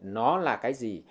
nó là cái gì